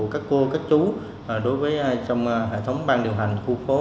các cô các chú đối với trong hệ thống ban điều hành khu phố